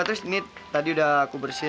terus menit tadi udah aku bersihin